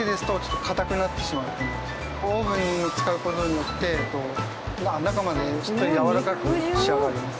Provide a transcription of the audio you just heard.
オーブンを使う事によって中までしっかりやわらかく仕上がります。